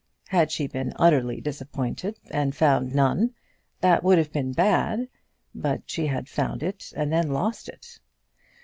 Had she been utterly disappointed, and found none, that would have been bad; but she had found it and then lost it.